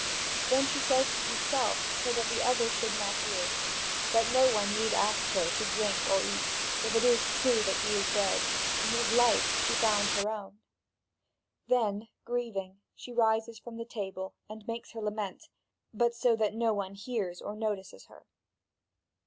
Then she says to herself, so that the others should not hear, that no one need ask her to drink or eat, if it is true that he is dead, in whose life she found her own. Then grieving she rises from the table, and makes her lament, but so that no one hears or notices her.